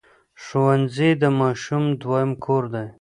ښوونځی د ماشوم دویم کور دی.